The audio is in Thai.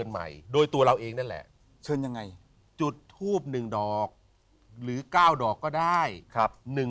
ก็อยากจะบอกว่า